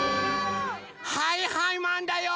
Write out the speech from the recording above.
はいはいマンだよ！